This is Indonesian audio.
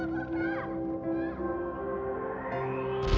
tunggu dulu pak